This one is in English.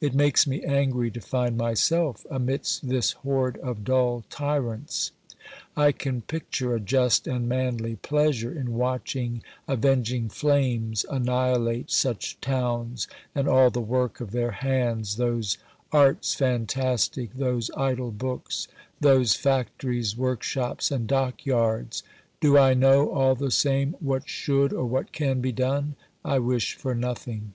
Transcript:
It makes me angry to find myself amidst this horde of dull tyrants. I 90 OBERMANN can picture a just and manly pleasure in watching aveng ing flames annihilate such towns and all the work of their hands, those arts fantastic, those idle books, those factories, workshops and dockyards. Do I know all the same what should or what can be done ? I wish for nothing.